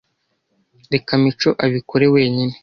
Reka Mico abikore wenyine